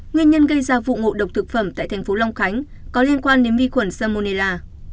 nguyên nhân gây ra vụ ngộ độc thực phẩm tại thành phố long khánh có liên quan đến vi khuẩn salmonella